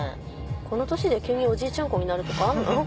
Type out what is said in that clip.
この年で急におじいちゃん子になるとかあるの？